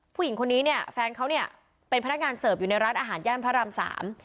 ผู้หญิงคนนี้เนี่ยแฟนเขาเนี่ยเป็นพนักงานเสิร์ฟอยู่ในร้านอาหารย่านพระรามสาม